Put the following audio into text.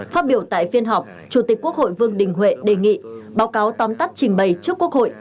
phát biểu tại phiên họp chủ tịch quốc hội vương đình huệ đề nghị báo cáo tóm tắt trình bày trước quốc hội